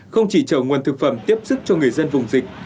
không chỉ chở nguồn thực phẩm tiếp sức cho người dân vùng dịch